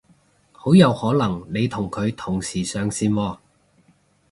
好有可能你同佢同時上線喎